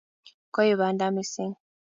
koi panda missing